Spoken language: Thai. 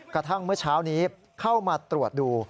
กระทั่งเมื่อเช้านี้เข้ามาตรวจดู